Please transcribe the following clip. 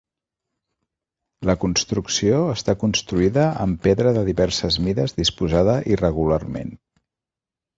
La construcció està construïda amb pedra de diverses mides disposada irregularment.